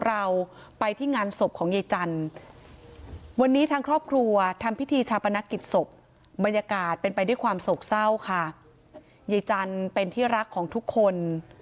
ทำพิธีชาปนักกิจศพบรรยากาศเป็นไปด้วยความโศกเศร้าค่ะยายจันทร์เป็นที่รักของทุกคน